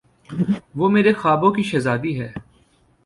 وہ میرے خوابوں کی شہزادی ہے۔